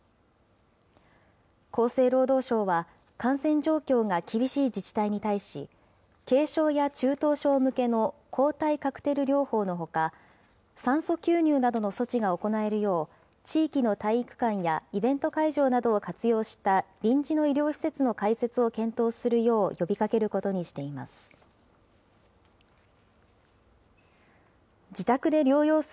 厚生労働省は、感染状況が厳しい自治体に対し、軽症や中等症向けの抗体カクテル療法のほか、酸素吸入などの措置が行えるよう地域の体育館やイベント会場などを活用した、臨時の医療施設の開設を検討するよう呼びかけることにしています。